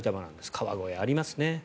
川越、ありますね。